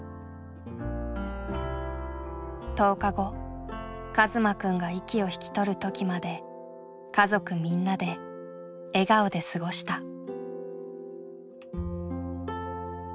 １０日後一馬くんが息を引き取る時まで家族みんなで笑顔で過ごした。